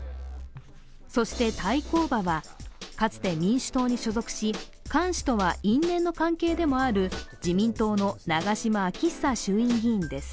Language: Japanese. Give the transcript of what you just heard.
そして対抗馬は、かつて民主党に所属し菅氏とは因縁の関係でもある自民党の長島昭久衆院議員です。